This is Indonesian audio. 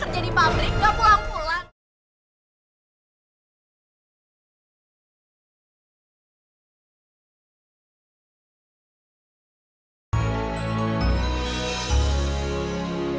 kerja di pabrik udah pulang pulang